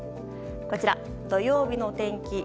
こちら、土曜日の天気。